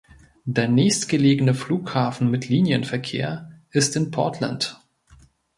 Der nächstgelegene Flughafen mit Linienverkehr ist in Portland.